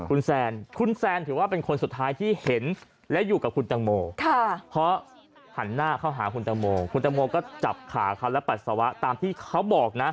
คุณแซนคุณแซนถือว่าเป็นคนสุดท้ายที่เห็นและอยู่กับคุณตังโมเพราะหันหน้าเข้าหาคุณตังโมคุณตังโมก็จับขาเขาและปัสสาวะตามที่เขาบอกนะ